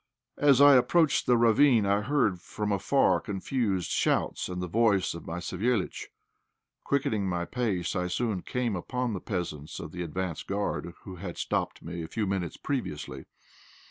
As I approached the ravine I heard from afar confused shouts, and the voice of my Savéliitch. Quickening my pace, I soon came up with the peasants of the advance guard who had stopped me a few minutes previously.